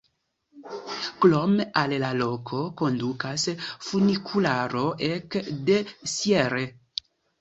Krome al la loko kondukas funikularo ek de Sierre.